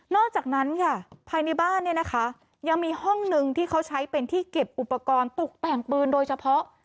อกจากนั้นค่ะภายในบ้านเนี่ยนะคะยังมีห้องหนึ่งที่เขาใช้เป็นที่เก็บอุปกรณ์ตกแต่งปืนโดยเฉพาะ